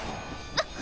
あっ。